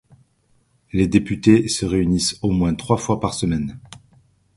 Les députés se réunissent au moins trois fois par semaine.